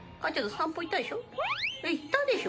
散歩行ったでしょ？